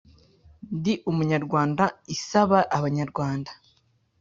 Ndi Umunyarwanda isaba Abanyarwanda